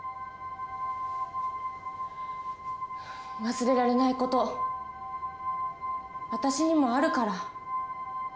忘れられないこと私にもあるから。